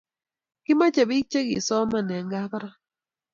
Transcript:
kimache pik che kisoman en kabarak